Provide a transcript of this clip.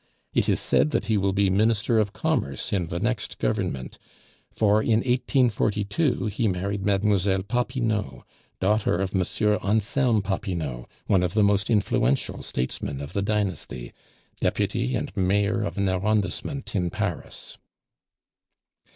It is said that he will be Minister of Commerce in the next Government; for in 1842 he married Mlle. Popinot, daughter of M. Anselme Popinot, one of the most influential statesmen of the dynasty, deputy and mayor of an arrondissement in Paris.